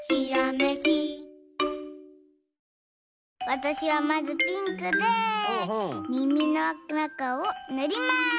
わたしはまずピンクでみみのなかをぬります。